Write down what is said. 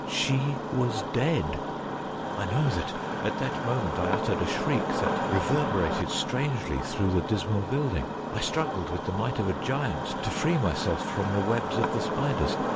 She was dead. I know that at that moment I uttered a shriek that re verberated strangely through the dismal building. I struggled with the might of a giant to free myself from the webs of the spiders.